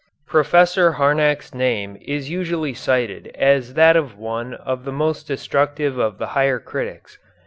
Professor Harnack's name is usually cited as that of one of the most destructive of the higher critics.